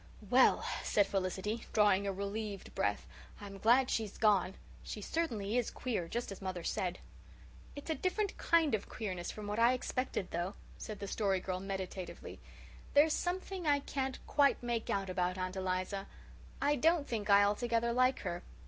"Well," said Felicity, drawing a relieved breath, "I'm glad she's gone. She certainly is queer, just as mother said." "It's a different kind of queerness from what I expected, though," said the Story Girl meditatively. "There's something I can't quite make out about Aunt Eliza. I don't think I altogether like her."